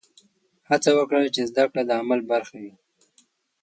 هڅه وکړه چې زده کړه د عمل برخه وي.